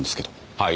はい？